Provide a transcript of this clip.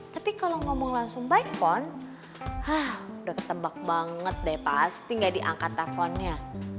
tapi kalau ngomong langsung by phone udah ketembak banget deh pasti gak diangkat tafonnya